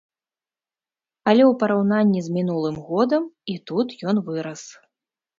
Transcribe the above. Але ў параўнанні з мінулым годам і тут ён вырас.